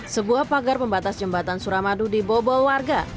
sebuah pagar pembatas jembatan suramadu di bobol warga